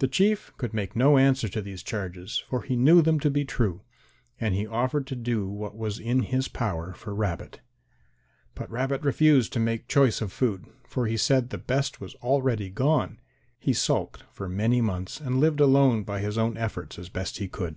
The Chief could make no answer to these charges, for he knew them to be true, and he offered to do what was in his power for Rabbit. But Rabbit refused to make choice of food, for he said the best was already gone. He sulked for many months and lived alone by his own efforts as best he could.